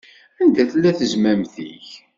Anda tella tezmamt-ik?